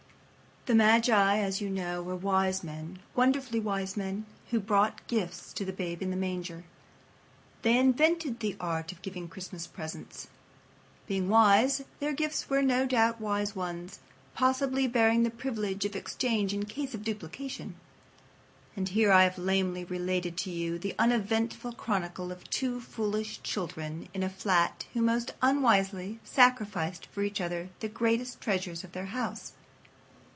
The magi, as you know, were wise men—wonderfully wise men—who brought gifts to the Babe in the manger. They invented the art of giving Christmas presents. Being wise, their gifts were no doubt wise ones, possibly bearing the privilege of exchange in case of duplication. And here I have lamely related to you the uneventful chronicle of two foolish children in a flat who most unwisely sacrificed for each other the greatest treasures of their house.